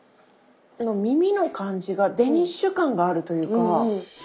みみの感じがデニッシュ感があるというか。